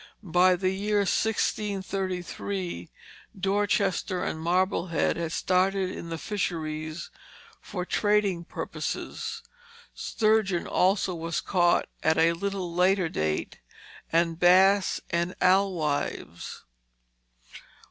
By the year 1633 Dorchester and Marblehead had started in the fisheries for trading purposes. Sturgeon also was caught at a little later date, and bass and alewives.